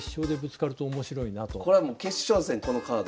これはもう決勝戦このカード。